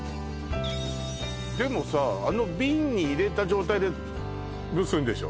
でもさあの瓶に入れた状態で蒸すんでしょ？